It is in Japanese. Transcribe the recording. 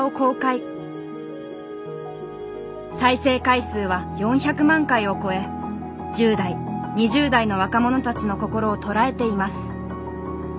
再生回数は４００万回を超え１０代２０代の若者たちの心を捉えています。